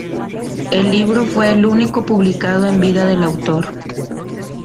El libro fue el único publicado en vida del autor.